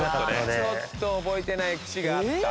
ちょっと覚えてない節があった。